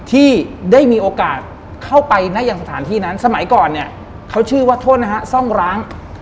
ที่ได้มีโอกาสเข้าไปนะยังสถานที่นั้นสมัยก่อนเนี่ยเขาชื่อว่าโทษนะฮะซ่องร้าง